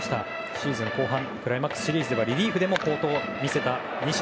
シーズン後半クライマックスシリーズではリリーフで好投を見せた西。